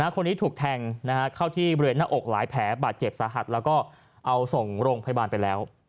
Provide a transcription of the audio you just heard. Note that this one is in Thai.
คนนี้ถูกแทงเข้าที่บริเวณหน้าอกหลายแผลบาดเจ็บสาหัสแล้วก็เอาส่งโรงพยาบาลไปแล้ว